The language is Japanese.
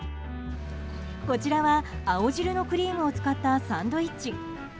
こちらは青汁のクリームを使ったサンドイッチ。